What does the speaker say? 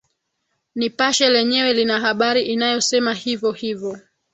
nipashe lenyewe lina habari inayosema hivo hivo